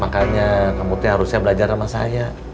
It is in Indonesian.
makanya kamu tuh harusnya belajar sama saya